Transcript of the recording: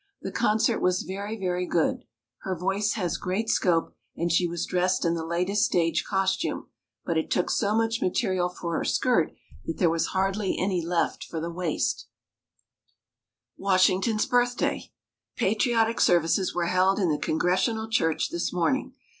The concert was very, very good. Her voice has great scope and she was dressed in the latest stage costume, but it took so much material for her skirt that there was hardly any left for the waist. [Illustration: "Old Friend Burling", Madame Anna Bishop] Washington's Birthday. Patriotic services were held in the Congregational Church this morning.